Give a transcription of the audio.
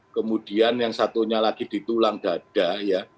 kemudian yang satunya lagi di tulang dada ya